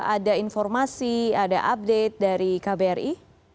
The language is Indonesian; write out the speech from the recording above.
ada informasi ada update dari kbri